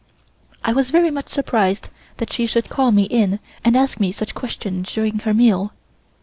I was very much surprised that she should call me in and ask me such questions during her meal.